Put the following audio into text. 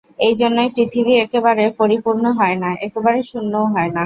এই জন্যই পৃথিবী একেবারে পরিপূর্ণ হয় না, একেবারে শূন্যও হয় না।